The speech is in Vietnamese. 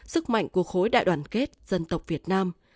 sức mạnh của khối đại đoàn kết dân tộc việt nam